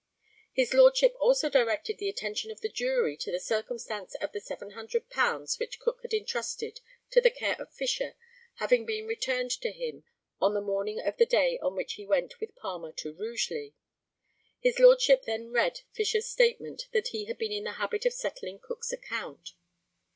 His Lordship also directed the attention of the jury to the circumstance of the £700 which Cook had intrusted to the care of Fisher having been returned to him on the morning of the day on which he went with Palmer to Rugeley. His Lordship then read Fisher's statement that he had been in the habit of settling Cook's account.